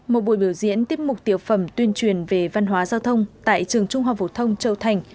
một buổi biểu diễn tiếp mục tiểu phẩm tuyên truyền về văn hóa giao thông tại trường trung học phổ thông châu thành